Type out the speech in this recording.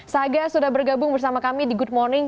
saga sudah bergabung bersama kami di good morning